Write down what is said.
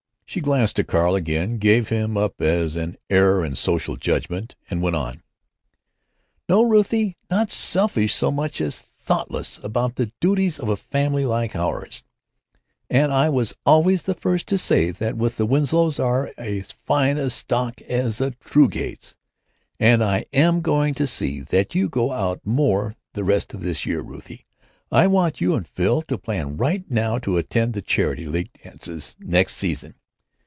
She glanced at Carl, again gave him up as an error in social judgment, and went on: "No, Ruthie, not selfish so much as thoughtless about the duties of a family like ours—and I was always the first to say that the Winslows are as fine a stock as the Truegates. And I am going to see that you go out more the rest of this year, Ruthie. I want you and Phil to plan right now to attend the Charity League dances next season.